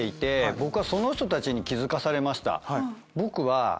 僕は。